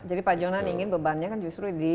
jadi pak jonan ingin bebannya kan justru